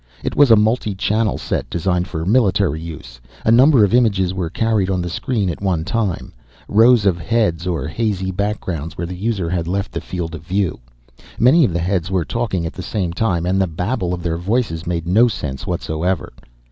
It was a multi channel set designed for military use. A number of images were carried on the screen at one time, rows of heads or hazy backgrounds where the user had left the field of view. Many of the heads were talking at the same time and the babble of their voices made no sense whatsoever.